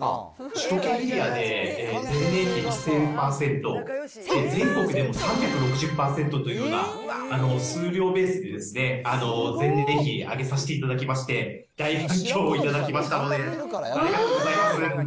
首都圏エリアで前年比１０００％、全国でも３６０％というような数量ベースで、前年比で上げさせていただきまして、大反響を頂きましたので、ありがとうございます。